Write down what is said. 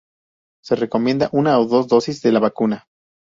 Se recomienda una o dos dosis de la vacuna.